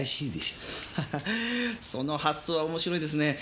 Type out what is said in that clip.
ハハその発想は面白いですね。